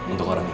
untuk orang ini